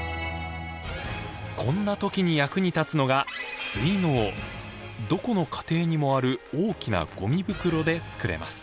こんな時に役に立つのがどこの家庭にもある大きなごみ袋で作れます。